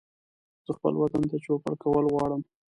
زه خپل وطن ته چوپړ کول غواړم